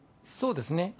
そうですね。